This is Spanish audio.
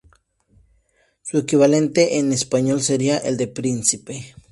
Su equivalente en español sería el de príncipe.